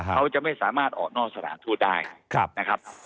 เขาจะไม่สามารถออกนอกสถานทูตได้นะครับ